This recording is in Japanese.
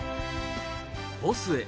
ボスへ。